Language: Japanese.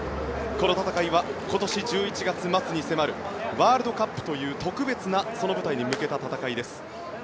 この戦いは今年１１月末に迫るワールドカップという特別なその舞台に向けた戦いです。